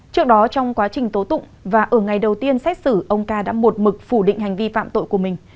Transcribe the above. trước đó trong quá trình tố tụng và ở ngày đầu tiên xét xử ông ca đã một mực phủ định hành vi phạm tội của mình